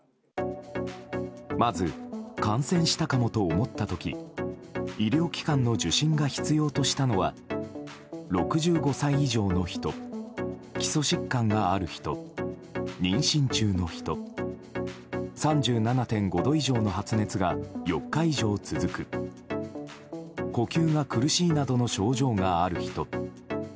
まず、感染したかも？と思った時医療機関の受診が必要としたのは６５歳以上の人基礎疾患がある人妊娠中の人３７．５度以上の発熱が４日以上続く呼吸が苦しいなどの症状がある人。